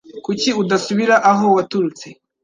Kuki udasubira aho waturutse?